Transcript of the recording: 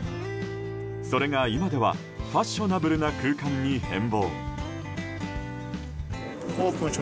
それが今ではファッショナブルな空間に変貌。